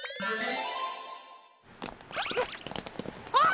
あっ！